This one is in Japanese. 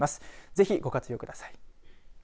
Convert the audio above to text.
ぜひ、ご活用ください。